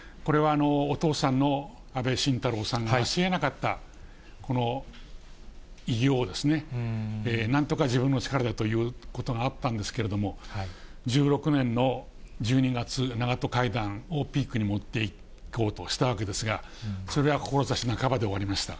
これはお父さんの安倍晋太郎さんがなしえなかったこの偉業をなんとか自分の力でということがあったんですけれども、１６年の１２月、長門会談をピークに持っていこうとしたわけですが、それが志半ばで終わりました。